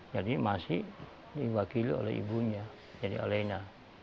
jadi masih diwakili oleh ibunya jadi elena